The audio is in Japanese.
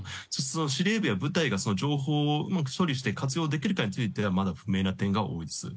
司令部や部隊が情報をうまく処理して活用できるかについてはまだ不明な点が多いです。